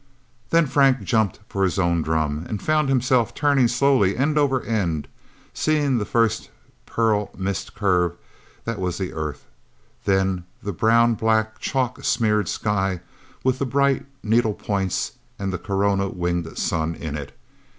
Then Frank jumped for his own drum, and found himself turning slowly end over end, seeing first the pearl mist curve that was the Earth, then the brown black, chalk smeared sky, with the bright needle points and the corona winged sun in it.